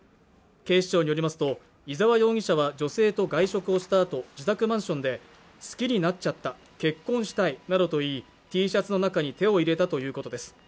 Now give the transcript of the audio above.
警視庁によりますと伊沢容疑者は女性と外食をしたあと自宅マンションで好きになっちゃった結婚したいなどといいＴシャツの中に手を入れたということです